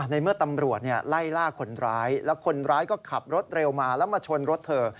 ในเมื่อตำรวจไล่ล่าคนร้ายแล้วคนร้ายก็ขับรถเร็วมาแล้วมาชนรถเธอ